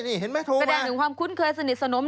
นี่เห็นไหมแสดงถึงความคุ้นเคยสนิทสนม